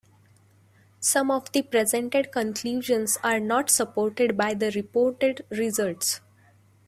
Some of the presented conclusions are not supported by the reported results.